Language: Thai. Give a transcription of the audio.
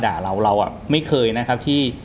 ด่าเราเราไม่เคยนะครับที่